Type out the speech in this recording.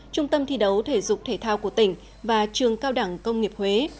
trung tâm thi đấu thể dục thể thao của tỉnh và trường cao đẳng công nghiệp huế